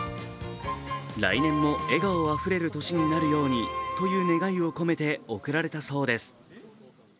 来年も笑顔あふれる年になるようにという願いを込めて贈られたそうです。